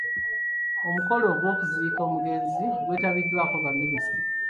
Omukolo gw’okuziika omugenzi gwetabiddwako baminista.